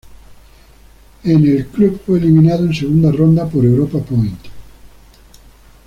En la el club fue eliminado en segunda ronda por Europa Point.